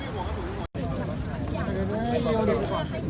เป็นอาทิตย์ที่เกิดขึ้นมาก่อน